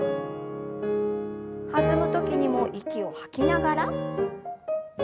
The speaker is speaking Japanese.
弾む時にも息を吐きながら。